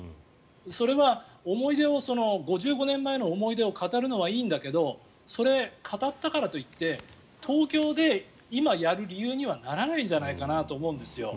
それは５５年前の思い出を語るのはいいんだけどそれ、語ったからといって東京で今やる理由にはならないんじゃないかなと思うんです。